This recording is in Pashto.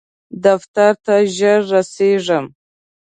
دفتر ته ژر رسیږم